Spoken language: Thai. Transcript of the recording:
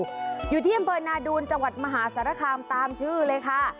อยู่ที่อำเภอนาดูนจังหวัดมหาสารคามตามชื่อเลยค่ะ